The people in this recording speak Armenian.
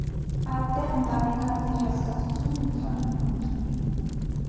Այդտեղ «ընտանեկան դեր» հասկացությունն ընդհանուր բնույթ ունի։